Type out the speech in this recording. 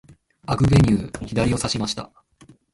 アグベニュー、左をさしました。